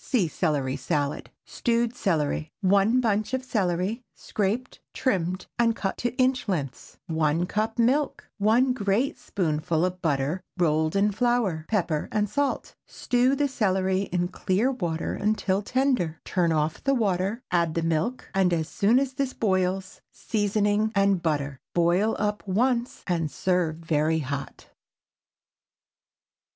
(See Celery Salad.) STEWED CELERY. ✠ 1 bunch of celery—scraped, trimmed, and cut into inch lengths. 1 cup milk. 1 great spoonful of butter, rolled in flour. Pepper and salt. Stew the celery in clear water until tender. Turn off the water, add the milk, and as soon as this boils, seasoning and butter. Boil up once and serve very hot.